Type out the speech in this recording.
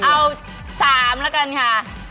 เอา๓ละกันค่ะ